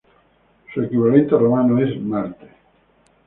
Su equivalente romano es Marte.